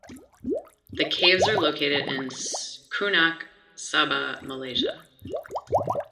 The caves are located in Kunak, Sabah, Malaysia.